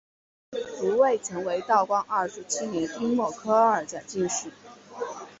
吴慰曾为道光二十七年丁未科二甲进士。